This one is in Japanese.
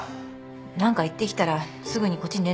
何か言ってきたらすぐにこっちに連絡ちょうだい。